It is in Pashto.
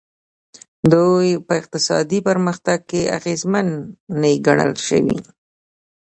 دوی په اقتصادي پرمختګ کې اغېزمنې ګڼل شوي.